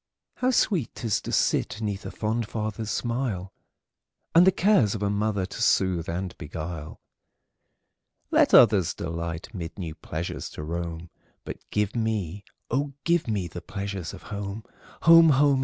How sweet 't is to sit 'neath a fond father's smile, And the cares of a mother to soothe and beguile! Let others delight mid new pleasures to roam, But give me, oh, give me, the pleasures of home! Home! home!